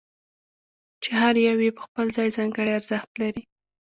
چې هر یو یې په خپل ځای ځانګړی ارزښت لري.